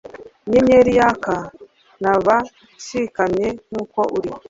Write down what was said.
inyenyeri yaka, naba nshikamye nkuko uri